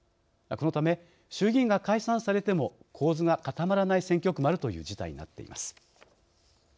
このため衆議院が解散されても構図が固まらない選挙区もあるという事態になっています。